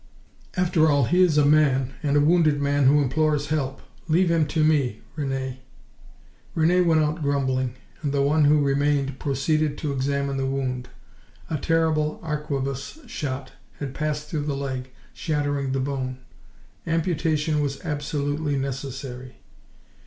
"After all, he is a man, and a wounded man who implores help. Leave him to me, Rene." Rene went out grumbling, and the one who remained proceeded to examine the wound. A terrible arquebus shot had passed through the leg, shattering the bone: amputation was absolutely necessary.